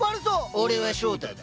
俺は翔太だ。